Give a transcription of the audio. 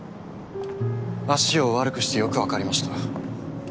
足を悪くしてよくわかりました。